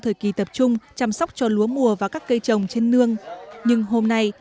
thời kỳ tập trung chăm sóc cho lúa mùa và các cây trồng trên nương nhưng hôm nay